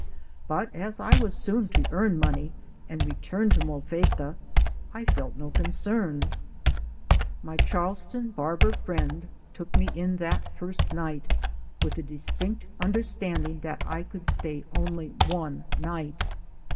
But as I was soon to earn money and return to Molfetta, I felt no concern. My Charlestown barber friend took me in that first night with the distinct understanding that I could stay only one night.